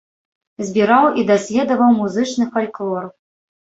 Збіраў і даследаваў музычны фальклор.